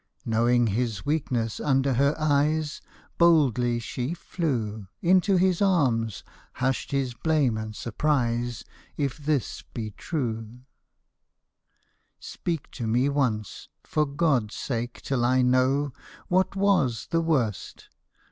Knowing his weakness under her eyes, Boldly she flew Into his arms, hushed his blame and surprise, If this be true. MY LADY'S SLIPPER Speak to me once, for God's sake, till I know What was the worst